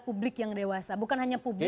publik yang dewasa bukan hanya publik